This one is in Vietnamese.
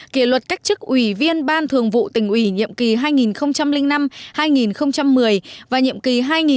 kỷ luật cách chức ủy viên ban thường vụ tỉnh ủy nhiệm kỳ hai nghìn năm hai nghìn một mươi và nhiệm kỳ hai nghìn một mươi năm hai nghìn một mươi